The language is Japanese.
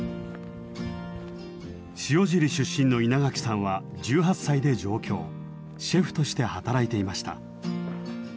塩尻出身の稲垣さんは１８歳で上京シェフとして働いていました。